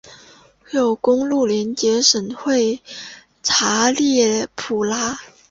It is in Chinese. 有公路连接省会查亚普拉。